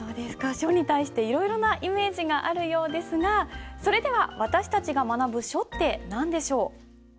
書に対していろいろなイメージがあるようですがそれでは私たちが学ぶ書って何でしょう？